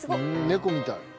「猫みたい」